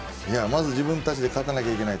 まず、自分たちで勝たなきゃいけない。